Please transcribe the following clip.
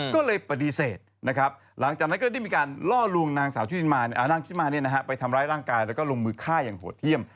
ก็เลยปฏิเสธนะครับหลังจากนั้นก็ได้มีการล่อลวงนางสาวนางคิดมาไปทำร้ายร่างกายแล้วก็ลงมือฆ่าอย่างโหดเยี่ยม